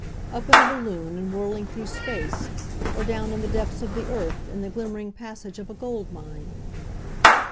up in a balloon and whirling through space, or down in the depths of the earth, in the glimmering passages of a gold mine?"